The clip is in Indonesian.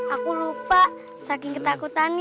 aku lupa saking ketakutannya